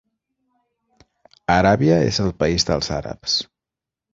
Aràbia és el país dels àrabs.